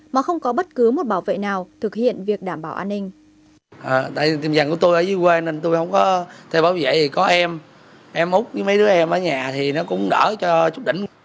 mà không có bất cứ một bảo vệ nào thực hiện việc đảm bảo an ninh